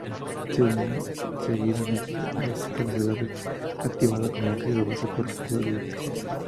Seguidamente el catalizador es activado con ácido o base por un proceso de digestión.